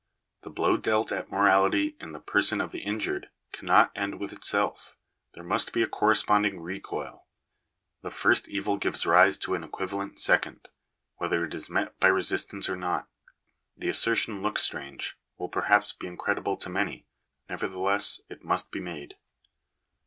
The blow dealt at morality in the person of the injured cannot end with itself: there must be a corresponding recoil. The first evil gives rise to an equivalent second, whether it is met by resistance or not. Digitized by VjOOQIC 272 THE DUTY OF THE STATE. The assertion looks strange — will perhaps be incredible to many ; nevertheless it must be made.